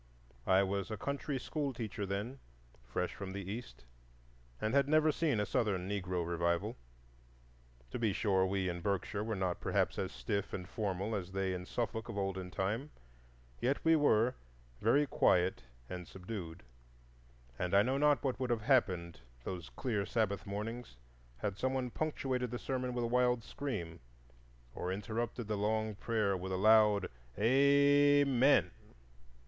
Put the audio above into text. I was a country schoolteacher then, fresh from the East, and had never seen a Southern Negro revival. To be sure, we in Berkshire were not perhaps as stiff and formal as they in Suffolk of olden time; yet we were very quiet and subdued, and I know not what would have happened those clear Sabbath mornings had some one punctuated the sermon with a wild scream, or interrupted the long prayer with a loud Amen!